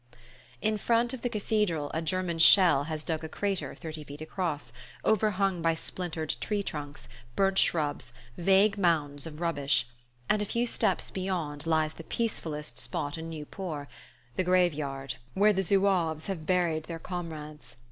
In front of the cathedral a German shell has dug a crater thirty feet across, overhung by splintered tree trunks, burnt shrubs, vague mounds of rubbish; and a few steps beyond lies the peacefullest spot in Nieuport, the grave yard where the zouaves have buried their comrades.